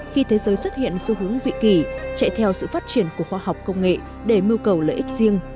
khi thế giới xuất hiện xu hướng vị kỳ chạy theo sự phát triển của khoa học công nghệ để mưu cầu lợi ích riêng